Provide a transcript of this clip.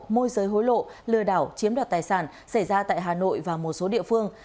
môi giới hối lộ lừa đảo chiếm đoạt tài sản xảy ra tại hà nội và một số địa phương